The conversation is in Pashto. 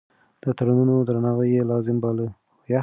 د تړونونو درناوی يې لازم باله.